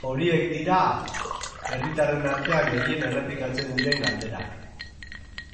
Horiek dira herritarren artean gehien errepikatzen diren galderak.